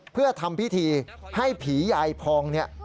เพื่อทำพิธีให้ผีใหญ่พองนี่